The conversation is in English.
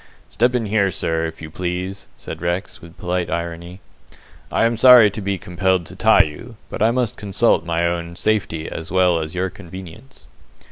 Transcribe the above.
"Step in here, sir, if you please," said Rex, with polite irony. "I am sorry to be compelled to tie you, but I must consult my own safety as well as your convenience."